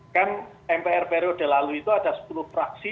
kan mpr periode lalu itu ada sepuluh fraksi